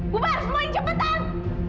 bupar semua yang cepetan